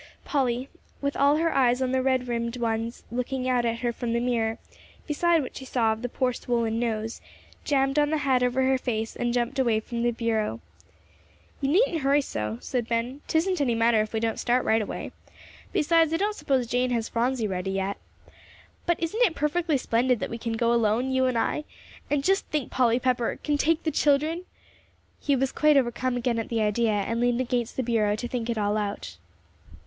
Polly, with all her eyes on the red rimmed ones looking out at her from the mirror, beside what she saw of the poor swollen nose, jammed on the hat over her face and jumped away from the bureau. "You needn't hurry so," said Ben, "'tisn't any matter if we don't start right away. Besides, I don't suppose Jane has Phronsie ready yet. But isn't it perfectly splendid that we can go alone, you and I, and, just think, Polly Pepper, can take the children?" He was quite overcome again at the idea and leaned against the bureau to think it all out.